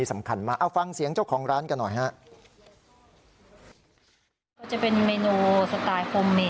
สำคัญมากเอาฟังเสียงเจ้าของร้านกันหน่อยฮะ